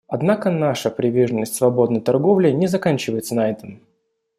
Однако наша приверженность свободной торговле не заканчивается на этом.